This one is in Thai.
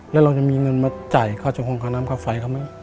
และเรายังมีเงินมาจ่ายข้าวจังหวงคอน้ำข้าวไฟ